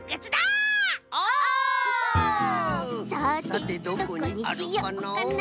さてどこにしようかな？